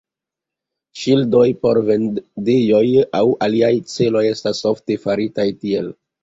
Ŝildoj por vendejoj aŭ aliaj celoj estas ofte faritaj tiel.